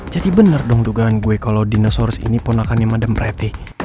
jadi bener dong dugaan gue kalo dinosaurus ini pun akannya madame pratt